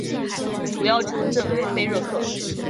主要城镇为菲热克。